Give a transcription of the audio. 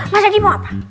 mas randy mau apa